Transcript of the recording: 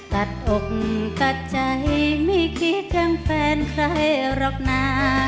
ตัดอกตัดใจไม่คิดถึงแฟนใครหรอกนะ